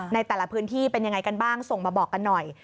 ในแต่ละพื้นที่เป็นยังไงกันบ้างส่งมาบอกกันหน่อย